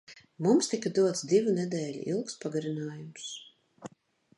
Mums tika dots divu nedēļu ilgs pagarinājums.